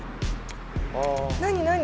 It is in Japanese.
何？